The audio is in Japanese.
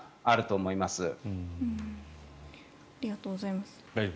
ありがとうございます。